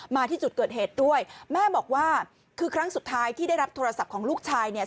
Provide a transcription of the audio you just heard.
มาที่จุดเกิดเหตุด้วยแม่บอกว่าคือครั้งสุดท้ายที่ได้รับโทรศัพท์ของลูกชายเนี่ย